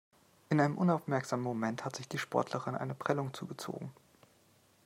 In einem unaufmerksamen Moment hat sich die Sportlerin eine Prellung zugezogen.